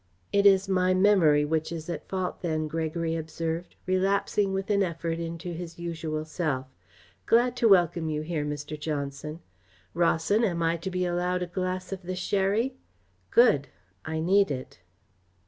"It is my memory which is at fault, then," Gregory observed, relapsing with an effort into his usual self. "Glad to welcome you here, Mr. Johnson. Rawson, am I to be allowed a glass of the sherry? Good! I need it."